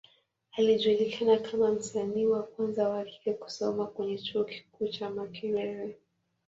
Alijulikana kama msanii wa kwanza wa kike kusoma kwenye Chuo kikuu cha Makerere.